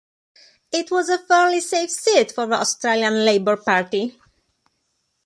It was a fairly safe seat for the Australian Labor Party.